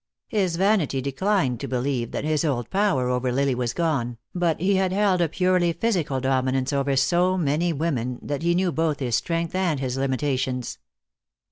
His vanity declined to believe that his old power over Lily was gone, but he had held a purely physical dominance over so many women that he knew both his strength and his limitations.